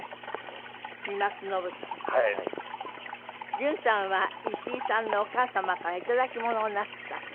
順さんは石井さんのお母様からいただきものをなすった？